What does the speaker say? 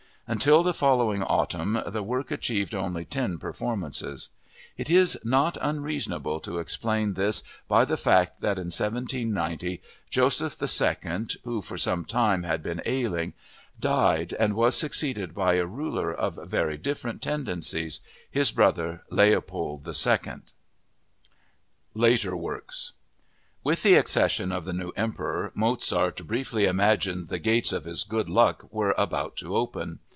Until the following autumn the work achieved only ten performances. It is not unreasonable to explain this by the fact that in 1790 Joseph II, who for some time had been ailing, died and was succeeded by a ruler of very different tendencies—his brother, Leopold II. Later Works With the accession of the new emperor, Mozart briefly imagined the "gates of his good luck were about to open."